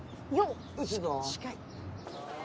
近い。